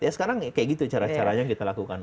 ya sekarang kayak gitu caranya kita lakukan